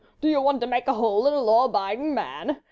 Do you want to make a hole in a law abiding man?